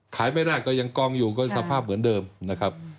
ขายไม่ได้ก็ยังกองอยู่ก็สภาพเหมือนเดิมนะครับ